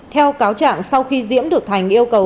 theo cáo trạng sau khi diễm đỗ thanh yêu cầu